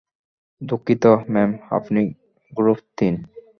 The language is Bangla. দুঃখিত, ম্যাম, আপনি গ্রুপ তিন।